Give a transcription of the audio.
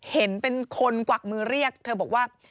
เห็นเป็นคนกวักมือเรียกเธอบอกว่า